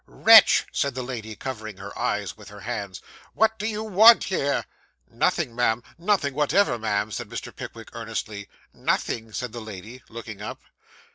'Wretch,' said the lady, covering her eyes with her hands, 'what do you want here?' 'Nothing, ma'am; nothing whatever, ma'am,' said Mr. Pickwick earnestly. 'Nothing!' said the lady, looking up.